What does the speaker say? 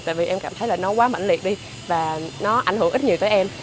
tại vì em cảm thấy là nó quá mạnh liệt đi và nó ảnh hưởng ít nhiều tới em